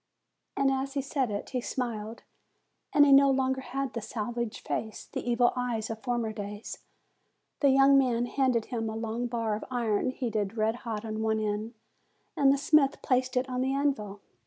And as he said it, he smiled; and he no longer had the savage face, the evil eyes of former days. The young man handed him a long bar of iron heated red hot on one end, and the smith placed it on the anvil.